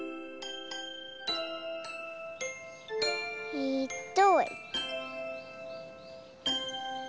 えっと。